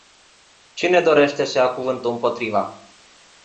Cine dorește să ia cuvântul împotriva?